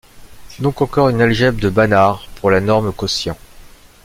C'est donc encore une algèbre de Banach, pour la norme quotient.